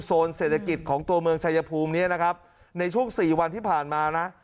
เศรษฐกิจของตัวเมืองชายภูมิเนี้ยนะครับในช่วงสี่วันที่ผ่านมานะ